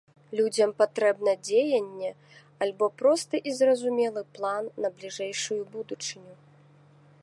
Людзям патрэбна дзеянне альбо просты і зразумелы план на бліжэйшую будучыню.